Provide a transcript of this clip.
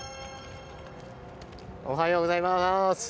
おはようございます。